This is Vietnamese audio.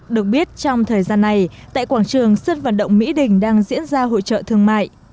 được biết trong thời gian này tại quảng trường sân vận động mỹ đình đang diễn ra hội trợ thương mại